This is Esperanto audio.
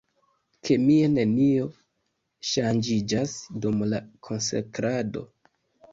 Kemie nenio ŝanĝiĝas dum la konsekrado.